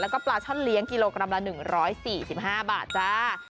แล้วก็ปลาช่อนเลี้ยงกิโลกรัมละ๑๔๕บาทจ้า